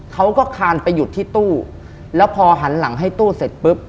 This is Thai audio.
เขาก็คานไปหยุดที่ตู้แล้วพอหันหลังให้ตู้เสร็จปุ๊บ